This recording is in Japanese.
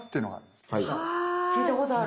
聞いたことある。